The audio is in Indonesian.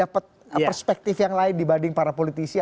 dapat perspektif yang lain dibanding para politisi